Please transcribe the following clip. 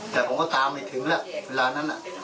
แต่ผมก็ตามไม่ถึงแล้วเวลานั้น